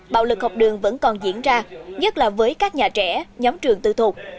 bạo lực học đường vẫn còn diễn ra nhất là với các nhà trẻ nhóm trường tư thuộc